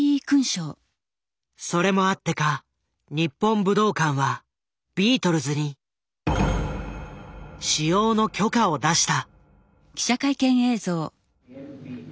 それもあってか日本武道館はビートルズに使用の許可を出した。